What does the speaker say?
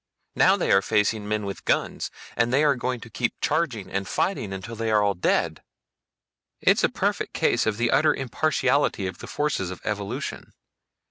Now they are facing men with guns, and they are going to keep charging and fighting until they are all dead. "It's a perfect case of the utter impartiality of the forces of evolution.